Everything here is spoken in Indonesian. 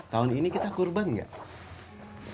tahun ini kita kurban nggak